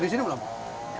bisa masih masih aja besok